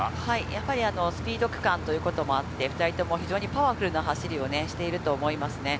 やはりスピード区間ということもあって２人とも非常にパワフルな走りをしていると思いますね。